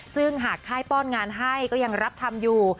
ซึ่งหากค่ายป้อนงานให้ก็ยังรับทำอยู่